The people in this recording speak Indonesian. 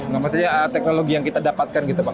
ngapain ya teknologi yang kita dapatkan gitu pak